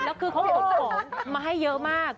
แล้วคุณผู้ชมมาให้เยอะมาก